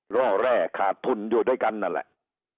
ล่อแร่ขาดทุนอยู่ด้วยกันนั่นแหละ